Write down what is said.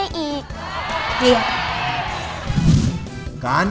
ยิ่งเสียใจ